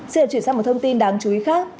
xin được chuyển sang một thông tin đáng chú ý khác